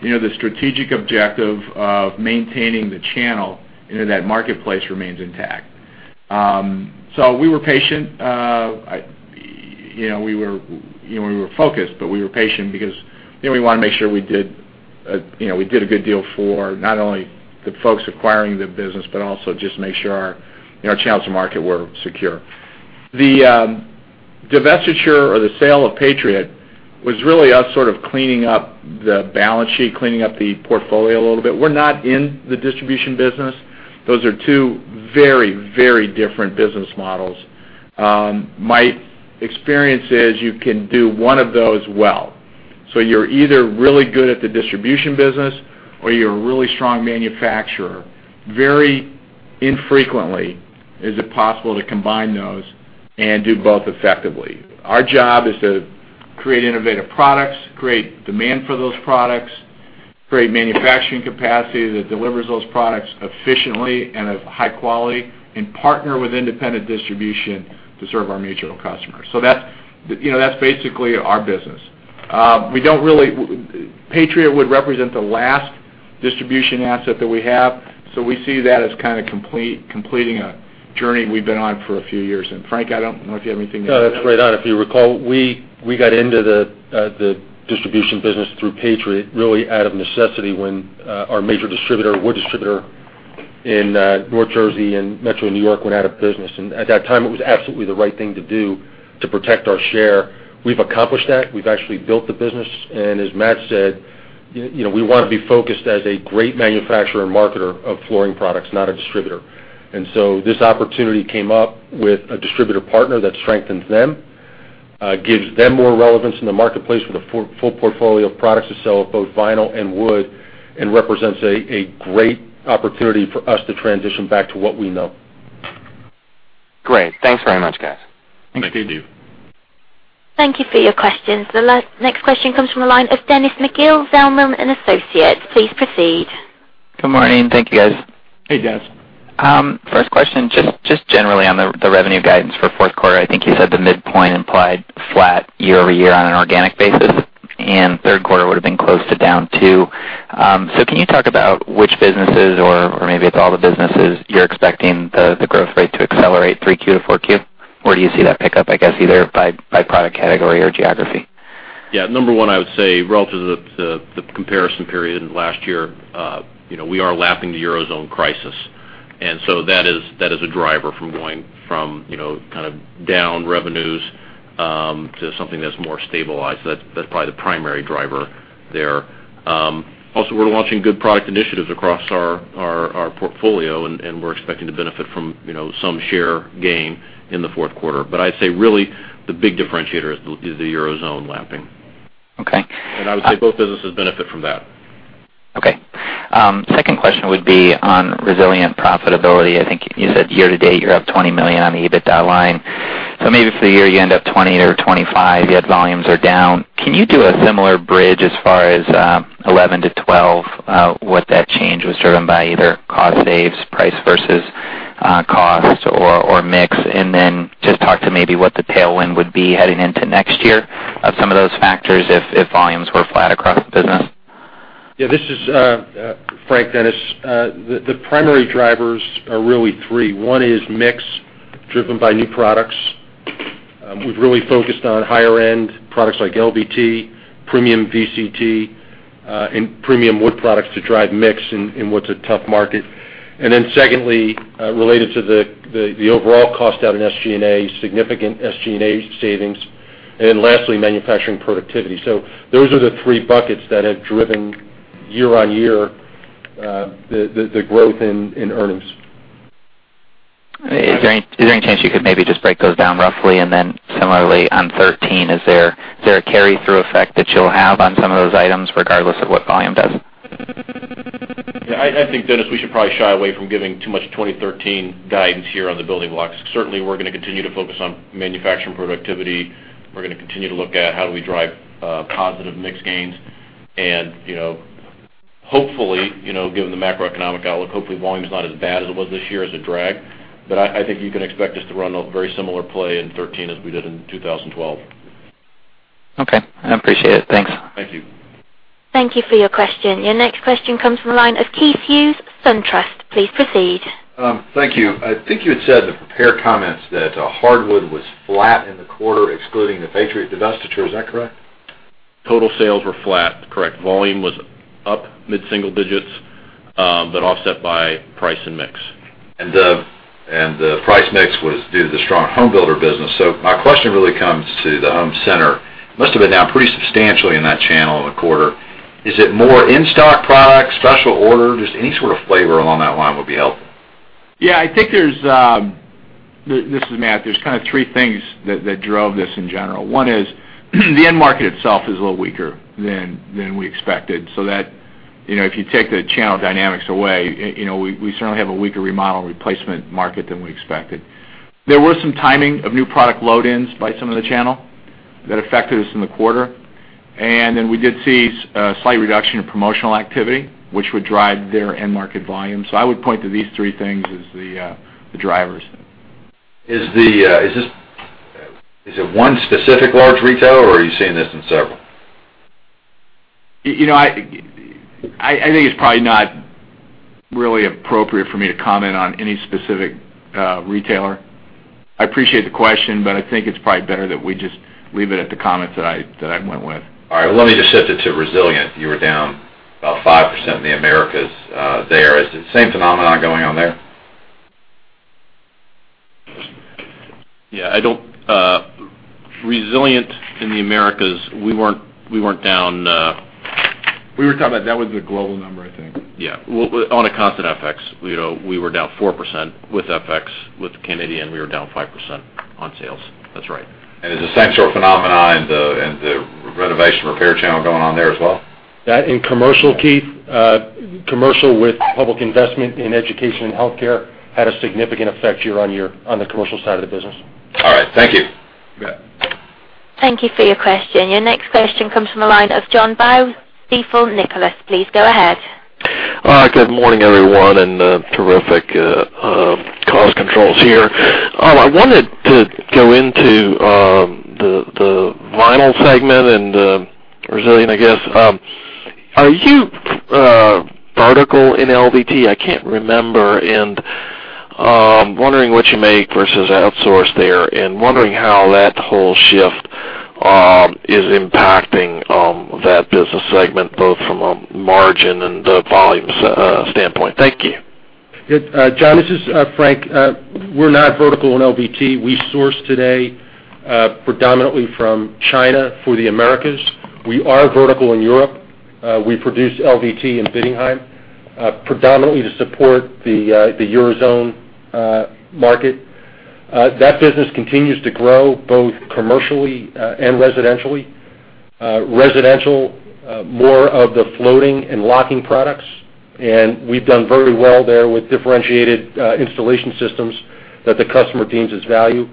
the strategic objective of maintaining the channel into that marketplace remains intact. We were patient. We were focused, but we were patient because we want to make sure we did a good deal for not only the folks acquiring the business, but also just make sure our channels to market were secure. The divestiture or the sale of Patriot was really us sort of cleaning up the balance sheet, cleaning up the portfolio a little bit. We're not in the distribution business. Those are two very different business models. My experience is you can do one of those well. You're either really good at the distribution business or you're a really strong manufacturer. Very infrequently is it possible to combine those and do both effectively. Our job is to create innovative products, create demand for those products, create manufacturing capacity that delivers those products efficiently and of high quality, and partner with independent distribution to serve our mutual customers. That's basically our business. Patriot would represent the last distribution asset that we have, so we see that as kind of completing a journey we've been on for a few years. Frank, I don't know if you have anything to add. No, that's right on. If you recall, we got into the distribution business through Patriot really out of necessity when our major distributor, wood distributor in North Jersey and Metro New York went out of business. At that time, it was absolutely the right thing to do to protect our share. We've accomplished that. We've actually built the business, and as Matt said, we want to be focused as a great manufacturer and marketer of flooring products, not a distributor. This opportunity came up with a distributor partner that strengthens them, gives them more relevance in the marketplace with a full portfolio of products to sell both vinyl and wood, and represents a great opportunity for us to transition back to what we know. Great. Thanks very much, guys. Thank you. Thank you. Thank you for your questions. The next question comes from the line of Dennis McGill, Zelman & Associates. Please proceed. Good morning. Thank you, guys. Hey, Dennis. First question, just generally on the revenue guidance for fourth quarter. I think you said the midpoint implied flat year-over-year on an organic basis, and third quarter would've been close to down too. Can you talk about which businesses, or maybe it's all the businesses, you're expecting the growth rate to accelerate 3Q to 4Q? Where do you see that pickup, I guess, either by product category or geography? Yeah. Number one, I would say relative to the comparison period last year, we are lapping the Eurozone crisis. That is a driver from going from kind of down revenues, to something that's more stabilized. That's probably the primary driver there. Also, we're launching good product initiatives across our portfolio, we're expecting to benefit from some share gain in the fourth quarter. I'd say really the big differentiator is the Eurozone lapping. Okay. I would say both businesses benefit from that. Okay. Second question would be on resilient profitability. I think you said year-to-date, you're up $20 million on the EBITDA line. Maybe for the year, you end up 20 or 25, yet volumes are down. Can you do a similar bridge as far as 2011 to 2012, what that change was driven by either cost saves, price versus costs or mix, just talk to maybe what the tailwind would be heading into next year of some of those factors if volumes were flat across the business. Yeah, this is Frank, Dennis. The primary drivers are really three. One is mix, driven by new products. We've really focused on higher-end products like LVT, premium VCT, and premium wood products to drive mix in what's a tough market. Secondly, related to the overall cost out in SG&A, significant SG&A savings. Lastly, manufacturing productivity. Those are the three buckets that have driven year-on-year, the growth in earnings. Is there any chance you could maybe just break those down roughly? Then similarly on 2013, is there a carry-through effect that you'll have on some of those items, regardless of what volume does? I think, Dennis McGill, we should probably shy away from giving too much 2013 guidance here on the building blocks. Certainly, we're going to continue to focus on manufacturing productivity. We're going to continue to look at how do we drive positive mix gains and hopefully, given the macroeconomic outlook, hopefully volume's not as bad as it was this year as a drag. I think you can expect us to run a very similar play in 2013 as we did in 2012. Okay. I appreciate it. Thanks. Thank you. Thank you for your question. Your next question comes from the line of Keith Hughes, SunTrust. Please proceed. Thank you. I think you had said in the prepared comments that hardwood was flat in the quarter, excluding the Patriot divestiture. Is that correct? Total sales were flat, correct. Volume was up mid-single digits, but offset by price and mix. The price mix was due to the strong home builder business. My question really comes to the home center. Must've been down pretty substantially in that channel in the quarter. Is it more in-stock product, special order? Just any sort of flavor along that line would be helpful. Yeah, this is Matt. There's kind of three things that drove this in general. One is the end market itself is a little weaker than we expected, so that if you take the channel dynamics away, we certainly have a weaker remodel and replacement market than we expected. There was some timing of new product load-ins by some of the channel that affected us in the quarter. We did see a slight reduction in promotional activity, which would drive their end-market volume. I would point to these three things as the drivers. Is it one specific large retailer, or are you seeing this in several? I think it's probably not really appropriate for me to comment on any specific retailer. I appreciate the question, I think it's probably better that we just leave it at the comments that I went with. All right. Let me just shift it to Resilient. You were down about 5% in the Americas there. Is the same phenomenon going on there? Yeah. Resilient in the Americas, we weren't down. We were talking about that was the global number, I think. Yeah. On a constant FX, we were down 4% with FX, with Canadian, we were down 5% on sales. That's right. Is the same sort of phenomena in the renovation repair channel going on there as well? That and commercial, Keith. Commercial with public investment in education and healthcare had a significant effect year-on-year on the commercial side of the business. All right. Thank you. You bet. Thank you for your question. Your next question comes from the line of John Baugh, Stifel Nicolaus. Please go ahead. Good morning, everyone. Terrific cost controls here. I wanted to go into the vinyl segment and Resilient, I guess. Are you vertical in LVT? I can't remember, and wondering what you make versus outsource there and wondering how that whole shift is impacting that business segment, both from a margin and volumes standpoint. Thank you. John, this is Frank. We're not vertical in LVT. We source today predominantly from China for the Americas. We are vertical in Europe. We produce LVT in Bietigheim predominantly to support the Eurozone market. That business continues to grow both commercially and residentially. Residential, more of the floating and locking products. We've done very well there with differentiated installation systems that the customer deems as value.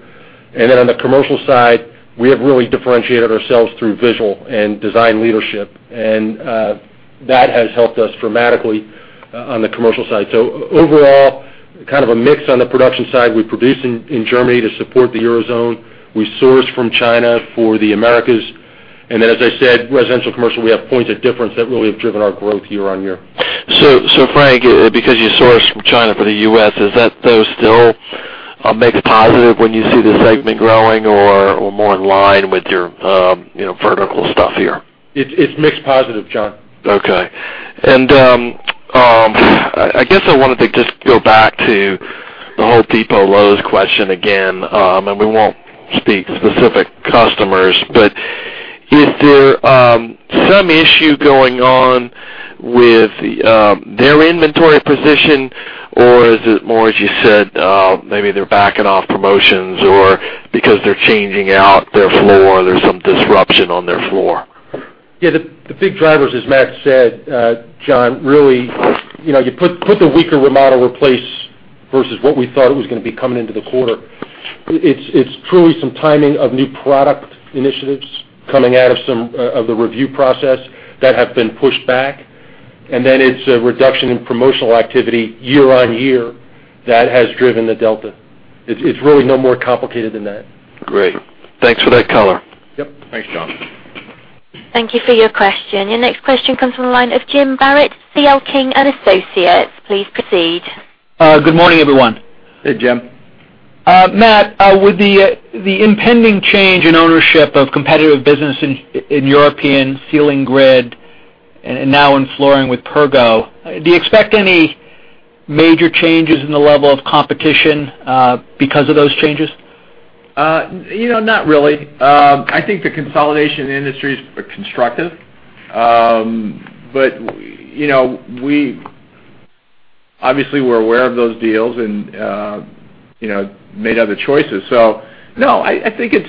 On the commercial side, we have really differentiated ourselves through visual and design leadership, and that has helped us dramatically on the commercial side. Overall, kind of a mix on the production side. We produce in Germany to support the Eurozone. We source from China for the Americas. As I said, residential commercial, we have points of difference that really have driven our growth year-on-year. Frank, because you source from China for the U.S., is that, though, still a mega positive when you see the segment growing or more in line with your vertical stuff here? It's mixed positive, John. Okay. I guess I wanted to just go back to the whole Depot/Lowe's question again. We won't speak specific customers, but is there some issue going on with their inventory position, or is it more, as you said, maybe they're backing off promotions or because they're changing out their floor, there's some disruption on their floor? Yeah, the big drivers, as Matt said, John, really, you put the weaker remodel replace versus what we thought it was going to be coming into the quarter. It's truly some timing of new product initiatives coming out of the review process that have been pushed back It's a reduction in promotional activity year-on-year that has driven the delta. It's really no more complicated than that. Great. Thanks for that color. Yep. Thanks, John. Thank you for your question. Your next question comes from the line of Jim Barrett, C.L. King & Associates. Please proceed. Good morning, everyone. Hey, Jim. Matt, with the impending change in ownership of competitive business in European ceiling grid, and now in flooring with Pergo, do you expect any major changes in the level of competition because of those changes? Not really. I think the consolidation in the industry is constructive. Obviously, we're aware of those deals and made other choices. No, I think it's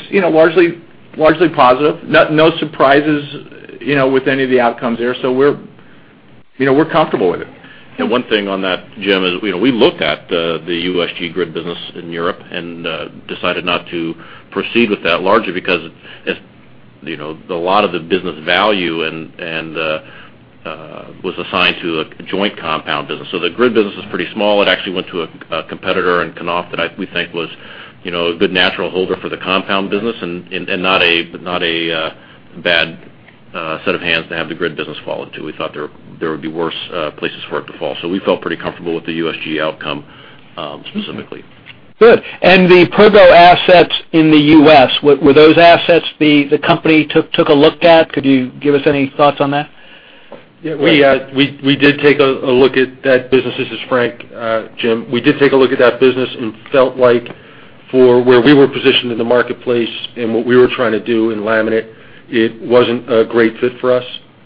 largely positive. No surprises with any of the outcomes there. We're comfortable with it. One thing on that, Jim, is we looked at the USG grid business in Europe and decided not to proceed with that, largely because a lot of the business value was assigned to a joint compound business. The grid business was pretty small. It actually went to a competitor in Knauf that we think was a good natural holder for the compound business and not a bad set of hands to have the grid business fall into. We thought there would be worse places for it to fall. We felt pretty comfortable with the USG outcome specifically. Good. The Pergo assets in the U.S., were those assets the company took a look at? Could you give us any thoughts on that? We did take a look at that business. This is Frank. Jim, we did take a look at that business and felt like for where we were positioned in the marketplace and what we were trying to do in laminate, it wasn't a great fit for us.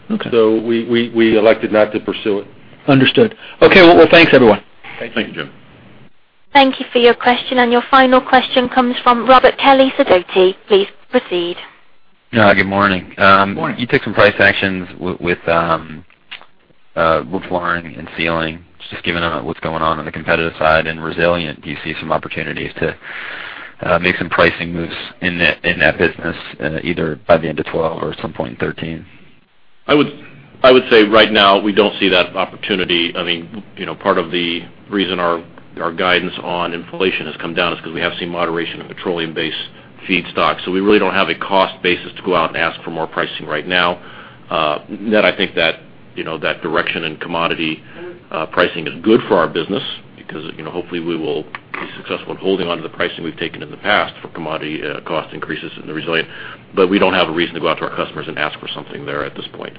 Okay. We elected not to pursue it. Understood. Okay. Well, thanks, everyone. Thank you. Thank you, Jim. Thank you for your question. Your final question comes from Robert Kelly, Sidoti. Please proceed. Good morning. Good morning. You took some price actions with flooring and ceiling. Given what's going on the competitive side in Resilient, do you see some opportunities to make some pricing moves in that business, either by the end of 2012 or at some point in 2013? I would say right now we don't see that opportunity. Part of the reason our guidance on inflation has come down is because we have seen moderation in petroleum-based feedstocks. We really don't have a cost basis to go out and ask for more pricing right now. Net, I think that direction in commodity pricing is good for our business because hopefully we will be successful in holding onto the pricing we've taken in the past for commodity cost increases in the Resilient. We don't have a reason to go out to our customers and ask for something there at this point.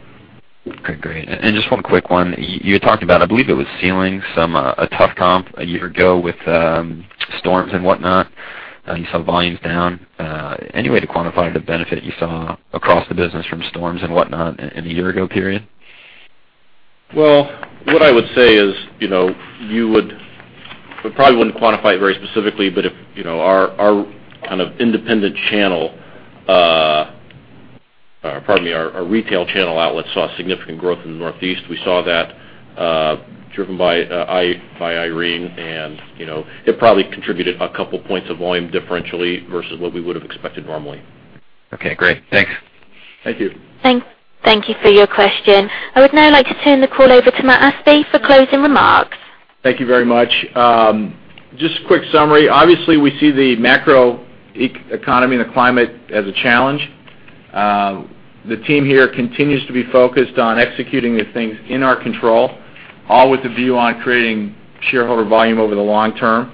Okay, great. Just one quick one. You talked about, I believe it was ceiling, a tough comp a year ago with storms and whatnot. You saw volumes down. Any way to quantify the benefit you saw across the business from storms and whatnot in the year ago period? Well, what I would say is, we probably wouldn't quantify it very specifically, but our retail channel outlets saw significant growth in the Northeast. We saw that driven by Hurricane Irene, and it probably contributed a couple points of volume differentially versus what we would have expected normally. Okay, great. Thanks. Thank you. Thank you for your question. I would now like to turn the call over to Matt Espe for closing remarks. Thank you very much. Just a quick summary. Obviously, we see the macro economy and the climate as a challenge. The team here continues to be focused on executing the things in our control, all with the view on creating shareholder value over the long term.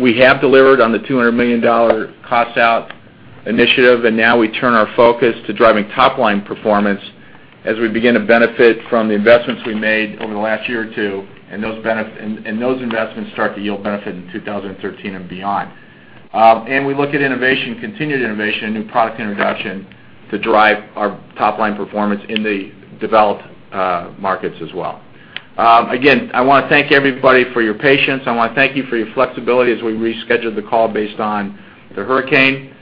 We have delivered on the $200 million cost-out initiative. Now we turn our focus to driving top-line performance as we begin to benefit from the investments we made over the last year or two, and those investments start to yield benefit in 2013 and beyond. We look at innovation, continued innovation, and new product introduction to drive our top-line performance in the developed markets as well. Again, I want to thank everybody for your patience. I want to thank you for your flexibility as we rescheduled the call based on the hurricane.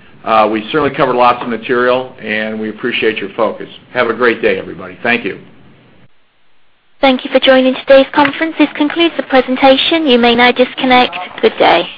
We certainly covered lots of material. We appreciate your focus. Have a great day, everybody. Thank you. Thank you for joining today's conference. This concludes the presentation. You may now disconnect. Good day.